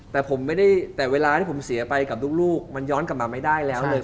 แต่ผมไม่ได้แต่เวลาที่ผมเสียไปกับลูกมันย้อนกลับมาไม่ได้แล้วเลย